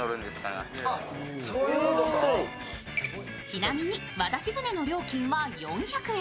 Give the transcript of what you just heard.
ちなみに渡し船の料金は４００円。